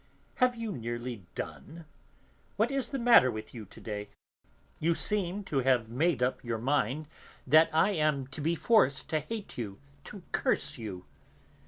"Have you nearly done? What is the matter with you to day? You seem to have made up your mind that I am to be forced to hate you, to curse you!